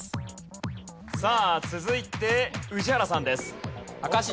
さあ続いて宇治原さんです。